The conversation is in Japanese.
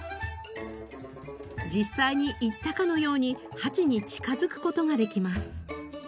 実際に行ったかのようにハチに近づく事ができます。